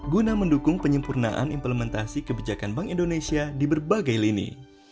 guna mendukung penyempurnaan implementasi kebijakan bank indonesia di berbagai lini